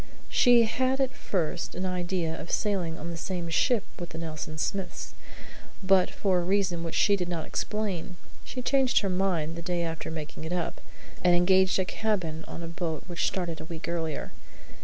She had at first an idea of sailing on the same ship with the Nelson Smiths; but for a reason which she did not explain, she changed her mind the day after making it up, and engaged a cabin on a boat which started a week earlier.